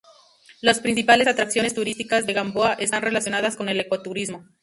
Las principales atracciones turísticas de Gamboa están relacionadas con el ecoturismo.